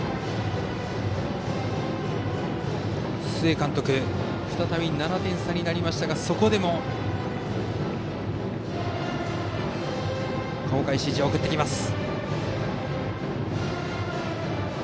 須江監督、再び７点差になりましたがそこでも細かい指示を送ってきます。